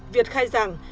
việt khai rằng